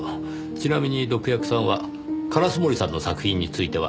ちなみに毒薬さんは烏森さんの作品についてはなんと？